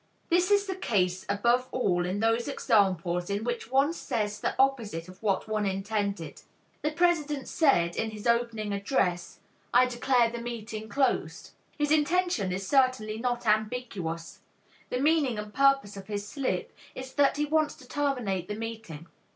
This is the case above all in those examples in which one says the opposite of what one intended. The president said, in his opening address, "I declare the meeting closed." His intention is certainly not ambiguous. The meaning and purpose of his slip is that he wants to terminate the meeting.